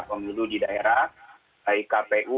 pemilu di daerah baik kpu